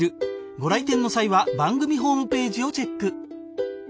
ご来店の際は番組ホームページをチェック